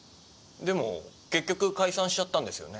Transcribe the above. でも結局解散しちゃったんですよね？